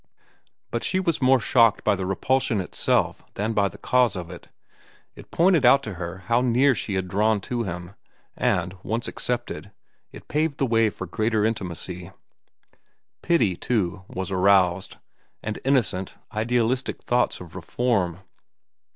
But she was more shocked by the repulsion itself than by the cause of it. It pointed out to her how near she had drawn to him, and once accepted, it paved the way for greater intimacy. Pity, too, was aroused, and innocent, idealistic thoughts of reform.